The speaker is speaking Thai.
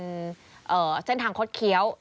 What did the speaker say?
เป็นเส้นทางคดเคี้ยว